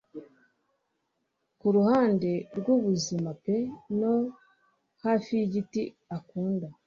Kuruhande rwubuzima pe no hafi yigiti akunda;